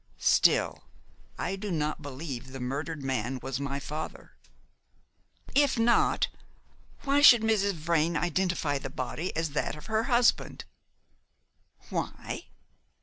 Still, I do not believe the murdered man was my father." "If not, why should Mrs. Vrain identify the body as that of her husband?" "Why?